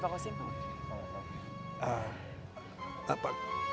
makasih pak kwasim